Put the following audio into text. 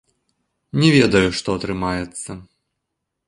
Не ведаю, што атрымаецца.